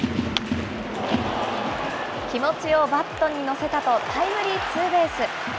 気持ちをバットに乗せたと、タイムリーツーベース。